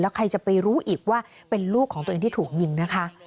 ใครจะไปรู้อีกว่าเป็นลูกของตัวเองที่ถูกยิงนะคะ